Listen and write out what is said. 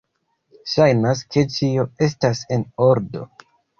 Ŝajnas ke ĉio estas en ordo.